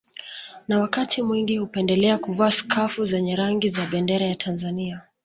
Na wakati mwingi hupendelea kuvaa skafu zenye rangi za bendera ya Tanzania